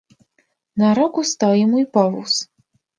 "„Na rogu stoi mój powóz."